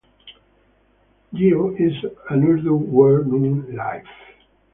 "Geo" is an Urdu word meaning "Live".